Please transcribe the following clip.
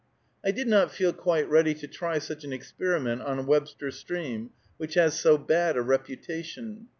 I did not feel quite ready to try such an experiment on Webster Stream, which has so bad a reputation.